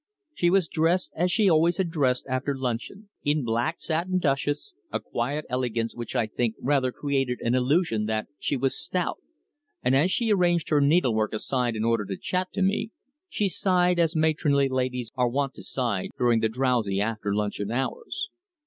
She was dressed, as she always had dressed after luncheon, in black satin duchesse, a quiet elegance which I think rather created an illusion that she was stout, and as she arranged her needlework aside in order to chat to me, she sighed as matronly ladies are wont to sigh during the drowsy after luncheon hours.